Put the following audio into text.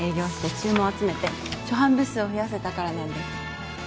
注文集めて初版部数を増やせたからなんです